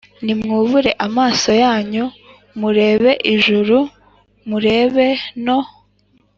Nimwubure amaso yanyu murebe ijuru murebe no